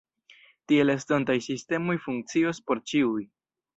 Tiel estontaj sistemoj funkcios por ĉiuj.